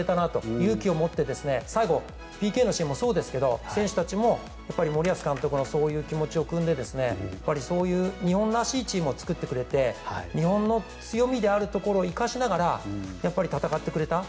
勇気を持って最後、ＰＫのシーンもそうですが選手たちも森保監督のそういう気持ちを酌んでそういう日本らしいチームを作ってくれて日本の強みであるところを生かしながら戦ってくれた。